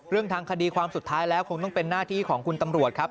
ทางคดีความสุดท้ายแล้วคงต้องเป็นหน้าที่ของคุณตำรวจครับ